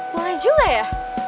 boleh juga ya